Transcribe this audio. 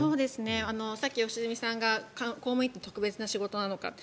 さっき良純さんが公務員って特別な仕事なのかって。